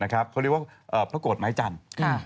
เขาเรียกว่าพระโกรธไม้จันทร์